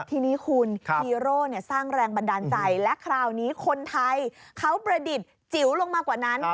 ทีนี้คุณฮีโร่สร้างแรงบันดาลใจและคราวนี้คนไทยเขาประดิษฐ์จิ๋วลงมากว่านั้น